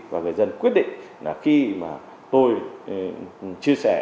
và người dân quyết định là khi mà tôi chia sẻ